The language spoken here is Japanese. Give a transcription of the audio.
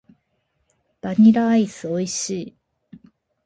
バニラアイス美味しい。